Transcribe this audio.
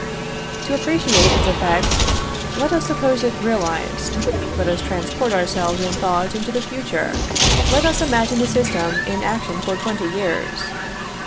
To appreciate its effect, let us suppose it realized; let us transport ourselves in thought into the future; let us imagine the system in action for twenty years.